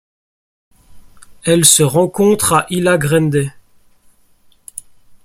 Elle se rencontre à Ilha Grande.